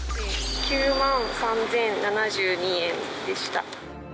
９万３，０７２円でした。